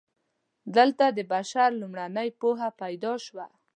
دلته د بشر لومړنۍ پوهه پیدا شوه.